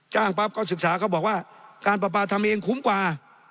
ปั๊บก็ศึกษาเขาบอกว่าการประปาทำเองคุ้มกว่า